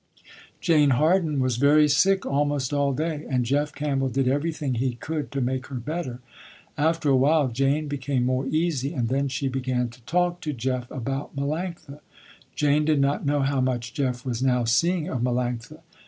Jane Harden was very sick almost all day and Jeff Campbell did everything he could to make her better. After a while Jane became more easy and then she began to talk to Jeff about Melanctha. Jane did not know how much Jeff was now seeing of Melanctha.